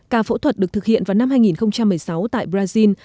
ca phẫu thuật được thực hiện vào năm hai nghìn một mươi sáu tại brazil